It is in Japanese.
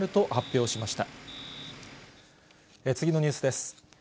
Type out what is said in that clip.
次のニュースです。